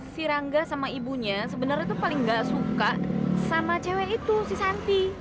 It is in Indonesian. si rangga sama ibunya sebenarnya itu paling gak suka sama cewek itu si santi